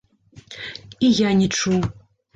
І я не чуў.